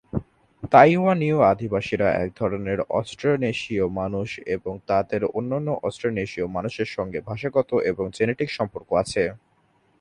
তাইওয়ানীয় আদিবাসীরা এক ধরনের অস্ট্রোনেশীয় মানুষ, এবং তাদের অন্যান্য অস্ট্রোনেশীয় মানুষদের সঙ্গে ভাষাগত এবং জেনেটিক সম্পর্ক আছে।